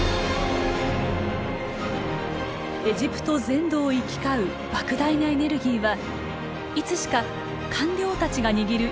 エジプト全土を行き交うばく大なエネルギーはいつしか官僚たちが握る一点へ集中していったのです。